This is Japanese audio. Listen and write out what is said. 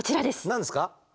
何ですか？